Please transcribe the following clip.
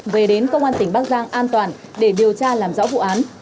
về đến công an tỉnh bắc giang an toàn để điều tra làm rõ vụ án